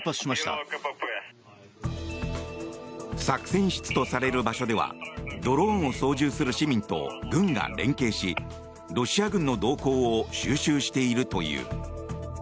作戦室とされる場所ではドローンを操縦する市民とロシア軍が連携しロシア軍の動向を収集しているという。